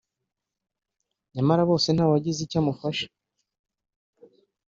nyamara bose ntawagize icyo amufasha